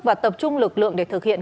và tập trung lực lượng để thực hiện